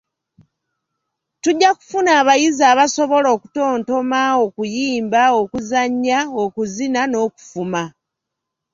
Tujja kufuna abayizi abasobola okutontoma, okuyimba, okuzannya okuzina n'okufuma.